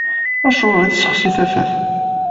Acuɣer i tessexsi tafat?